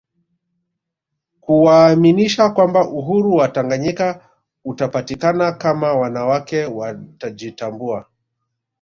Kuwaaminisha kwamba Uhuru wa Tanganyika utapatikana kama wanawake watajitambua